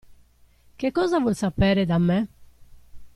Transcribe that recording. Che cosa vuol sapere da me?